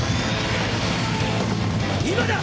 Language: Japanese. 今だ！